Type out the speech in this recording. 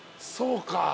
そうか。